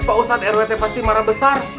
pak ustadz rwt pasti marah besar